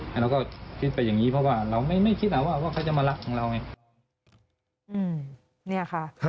แล้วเราก็คิดไปอย่างนี้เพราะว่าเราไม่คิดนะว่าเขาจะมารักของเราไง